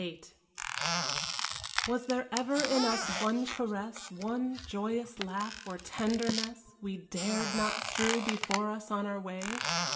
XXVIII Was there ever in us one caress, One joyous laugh, or tenderness We dared not strew before us on our way?